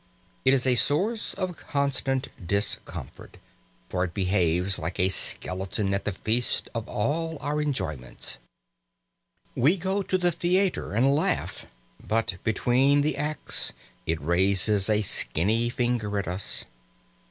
It is a source of constant discomfort, for it behaves like a skeleton at the feast of all our enjoyments. We go to the theatre and laugh; but between the acts it raises a skinny finger at us.